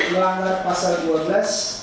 di anggaran pasal dua belas kuma